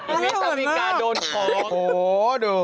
อันนี้เหมือนแล้วโดนของโอ้โฮดู